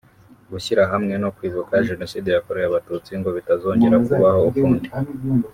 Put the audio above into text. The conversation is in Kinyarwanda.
gushyira hamwe no kwibuka Jenoside yakorewe Abatutsi ngo bitazongera kubaho ukundi